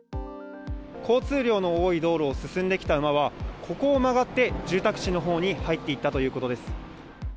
交通量の多い道路を進んできた馬は、ここを曲がって、住宅地のほうに入っていったということです。